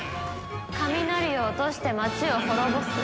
雷を落として町を滅ぼす。